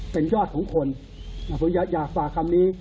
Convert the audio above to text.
เป็นยอดของคนผมอยากฝากคำนี้